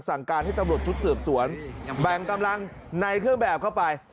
สั่งการให้ตำรวจชุดสืบสวนแบ่งกำลังในเครื่องแบบเข้าไป